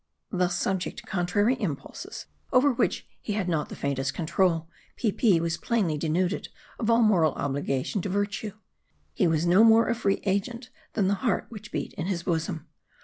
Thus subject to contrary impulses, over which he had not the faintest control, Peepi was plainly denuded of all moral obligation to virtue. He was no more a free agent, than the heart which beat in his bosom.